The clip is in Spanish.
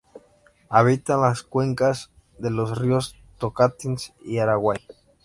Habita en las cuencas de los ríos Tocantins y Araguaia.